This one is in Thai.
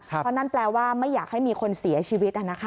เพราะนั่นแปลว่าไม่อยากให้มีคนเสียชีวิต